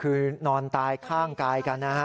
คือนอนตายข้างกายกันนะฮะ